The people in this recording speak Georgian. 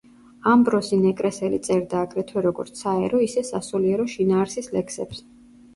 ამბროსი ნეკრესელი წერდა აგრეთვე როგორც საერო, ისე სასულიერო შინაარსის ლექსებს.